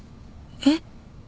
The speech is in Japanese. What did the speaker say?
えっ？